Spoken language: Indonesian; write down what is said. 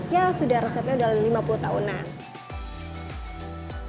ya sudah resepnya sudah lima puluh tahunan